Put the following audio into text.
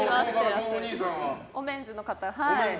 おメンズの方。